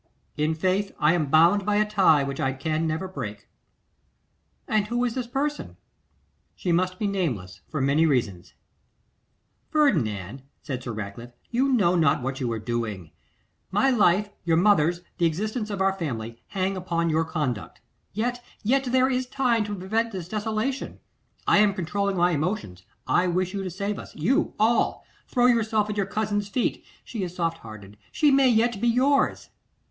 'In faith; I am bound by a tie which I can never break.' 'And who is this person?' 'She must be nameless, for many reasons.' 'Ferdinand,' said Sir Ratcliffe, 'you know not what you are doing. My life, your mother's, the existence of our family, hang upon your conduct. Yet, yet there is time to prevent this desolation. I am controlling my emotions; I wish you to save us, you, all! Throw yourself at your cousin's feet. She is soft hearted; she may yet be yours!